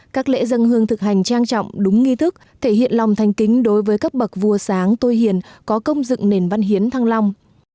các lễ dân hương thực hành trang trọng đúng nghi thức thể hiện lòng thanh kính đối với các bậc vua sáng tôi hiền có công dựng nền văn hiến thăng long